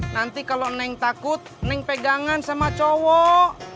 nanti kalau neng takut neng pegangan sama cowok